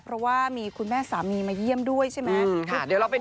เพราะว่ามีคุณแม่สามีมาเยี่ยมด้วยใช่ไหม